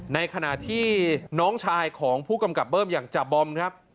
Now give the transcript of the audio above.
ในขณะที่น้องชายของผู้กำกับเบิ้มอย่างจาบอมครับ